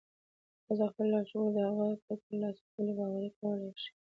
تاسې خپل لاشعور د هغه څه په ترلاسه کولو باوري کولای شئ